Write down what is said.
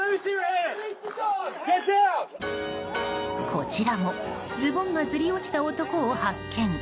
こちらもズボンがずり落ちた男を発見。